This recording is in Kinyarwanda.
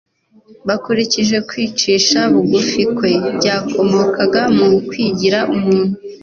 bakurikije kwicisha bugufi kwe byakomokaga mu kwigira umuntu.